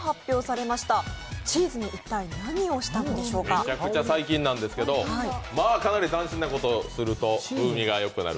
めちゃくちゃ最近なんですけど、まぁ、かなり斬新なことをすると風味がよくなる。